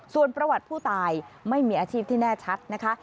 ส่วนประวัติผู้ตายไม่มีอาชีพที่แน่ชัดนะคะ